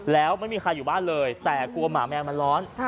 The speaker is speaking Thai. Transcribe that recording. แล้วไม่มีใครอยู่บ้านเลยแต่กลัวหมาแมวมันร้อน